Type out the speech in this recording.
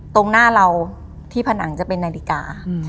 ตรงหน้าเราที่ผนังจะเป็นนาฬิกา